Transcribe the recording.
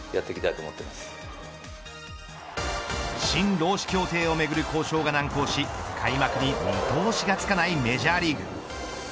新労使協定をめぐる交渉が難航し開幕に見通しがつかないメジャーリーグ。